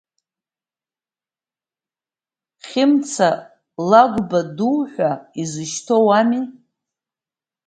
Хымца Лагәба ду ҳәа изышьҭоу уами.